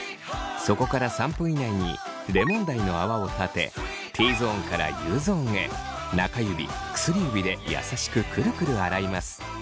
そこから３分以内にレモン大の泡を立てＴゾーンからＵゾーンへ中指薬指で優しくくるくる洗います。